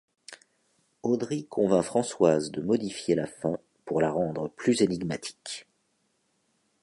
Audry convainc Françoise de modifier la fin pour la rendre plus énigmatique.